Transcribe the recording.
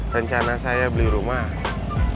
rencana saya beli rumahnya